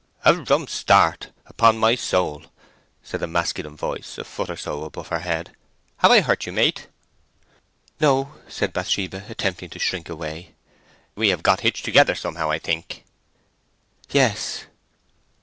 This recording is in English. "A rum start, upon my soul!" said a masculine voice, a foot or so above her head. "Have I hurt you, mate?" "No," said Bathsheba, attempting to shrink away. "We have got hitched together somehow, I think." "Yes."